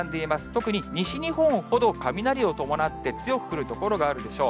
特に西日本ほど雷を伴って強く降る所があるでしょう。